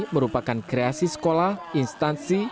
merupakan kreasi sekolah instansi